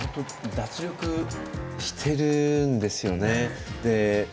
脱力しているんですよね。